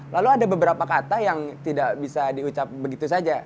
lalu ada beberapa kata yang tidak bisa diucap begitu saja